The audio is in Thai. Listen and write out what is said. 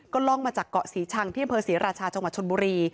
ล่องมาจากเกาะศรีชังที่อำเภอศรีราชาจังหวัดชนบุรี